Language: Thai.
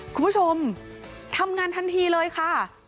คุณผู้ชมทำงานทันทีเลยค่ะ